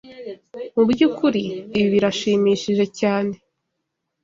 Mubyukuri? Ibi birashimishije cyane.